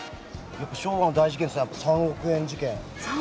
昭和の大事件といったら３億円事件？